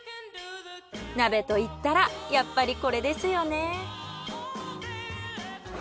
鍋といったらやっぱりこれですよね。